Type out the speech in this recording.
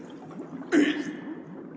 えっ！？